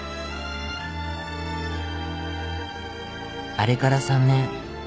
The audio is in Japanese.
「あれから三年。